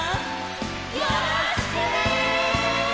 よろしくね！